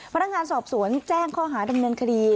พนักงานสอบสวนแจ้งข้อหาดำเนินคดี